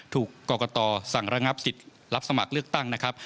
ถูกกรกตสั่งระงับสิทธิ์รับสมัครเลือกตั้งนะครับ